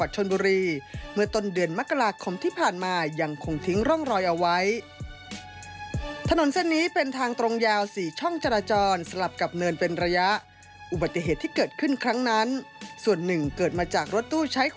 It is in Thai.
จากรายงานกันค่ะ